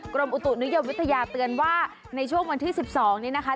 กรมอุตุนิยมวิทยาเตือนว่าในช่วงวันที่๑๒นี้นะคะ